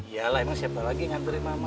yalah ini siapa lagi yang asurin mama